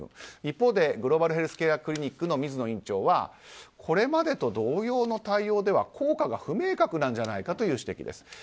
一方でグローバルヘルスケアクリニックの水野院長はこれまでと同様の対応では効果が不明確じゃないかという指摘です。